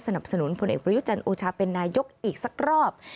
สนุนพลเอกประยุจันทร์โอชาเป็นนายกอีกสักรอบ